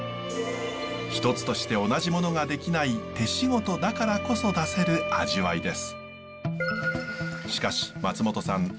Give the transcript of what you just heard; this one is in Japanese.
一つとして同じものが出来ない手仕事だからこそ出せる味わいです。